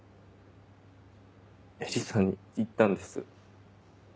絵理さんに言ったんです。